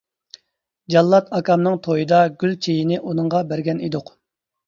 جاللات ئاكامنىڭ تويىدا گۈل چېيىنى ئۇنىڭغا بەرگەن ئىدۇق.